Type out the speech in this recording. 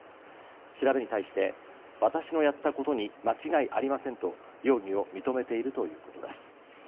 調べに対して、私のやったことに間違いありませんと容疑を認めているということです。